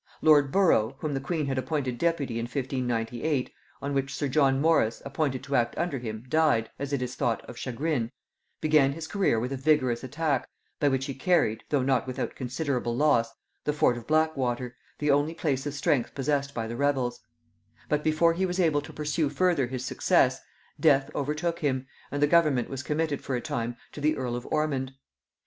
Lord Borough, whom the queen had appointed deputy in 1598, on which sir John Norris, appointed to act under him, died, as it is thought, of chagrin, began his career with a vigorous attack, by which he carried, though not without considerable loss, the fort of Blackwater, the only place of strength possessed by the rebels; but before he was able to pursue further his success, death overtook him, and the government was committed for a time to the earl of Ormond.